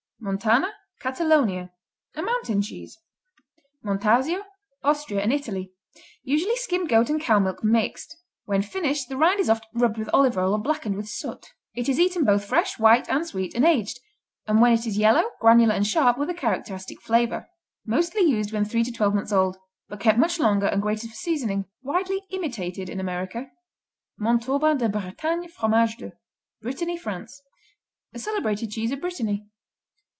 Montana Catalonia A mountain cheese. Montasio Austria and Italy Usually skimmed goat and cow milk mixed. When finished, the rind is often rubbed with olive oil or blackened with soot. It is eaten both fresh, white and sweet, and aged, when it is yellow, granular and sharp, with a characteristic flavor. Mostly used when three to twelve months old, but kept much longer and grated for seasoning. Widely imitated in America. Montauban de Bretagne, Fromage de Brittany, France A celebrated cheese of Brittany.